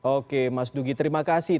oke mas dugi terima kasih